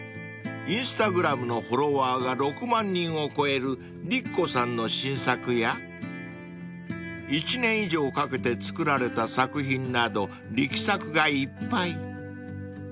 ［Ｉｎｓｔａｇｒａｍのフォロワーが６万人を超えるりっこさんの新作や１年以上かけて作られた作品など力作がいっぱい］